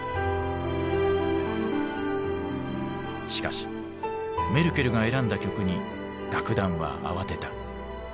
しかしメルケルが選んだ曲に楽団は慌てた。